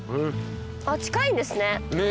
近いんですね。